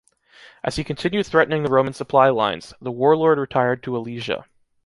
As he continued threating the Roman supply lines, the warlord retired to Alesia.